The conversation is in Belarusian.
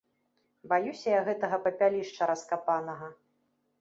Баюся я гэтага папялішча раскапанага.